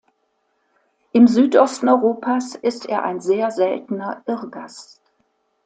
Im Südosten Europas ist er ein sehr seltener Irrgast.